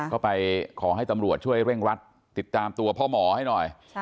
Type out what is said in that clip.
ก็ไปขอให้ตำรวจช่วยเร่งรัดติดตามตัวพ่อหมอให้หน่อย